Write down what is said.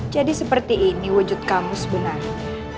jadi seperti ini wujud kamu sebenarnya